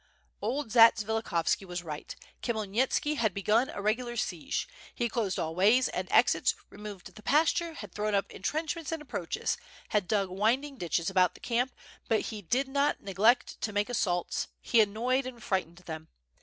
Old Zatsvilikhovski was right. Khmyelnitski had begun a regular siege; he had closed all ways and exits, removed the pasture, had thrown up entrenchments and approaches, had dug winding ditches about the camp, but he did not neglect to make assaults, he annoyed and frightened them.